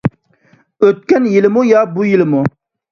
ئۆتكەن يىلمۇ ياكى بۇ يىلمۇ؟